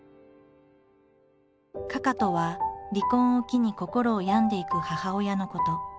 「かか」とは離婚を機に心を病んでいく母親のこと。